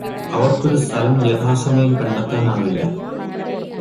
അവര്ക്കൊരു സ്ഥലം യഥാസമയം കണ്ടെത്താനാവില്ല